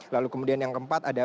lalu kemudian yang keempat ada